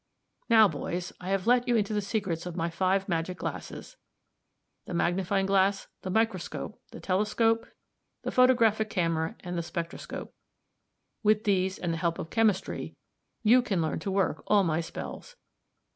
"Now, boys, I have let you into the secrets of my five magic glasses the magnifying glass, the microscope, the telescope, the photographic camera, and the spectroscope. With these and the help of chemistry you can learn to work all my spells.